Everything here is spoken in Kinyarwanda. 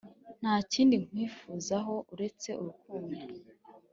nta kindi kwifuzaho uretse urukundo,